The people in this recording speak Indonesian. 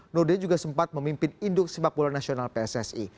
nurdin juga sempat memimpin induk sepak bola nasional pssi